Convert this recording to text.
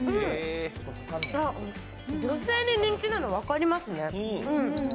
あっ、女性に人気なの分かりますね。